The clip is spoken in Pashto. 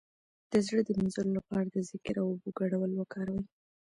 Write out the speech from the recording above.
د زړه د مینځلو لپاره د ذکر او اوبو ګډول وکاروئ